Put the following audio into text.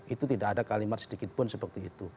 itu tidak ada kalimat sedikit pun seperti itu